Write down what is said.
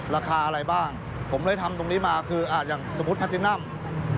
ราคาอะไรบ้างผมเลยทำตรงนี้มาคืออย่างสมมุติแพทตินัม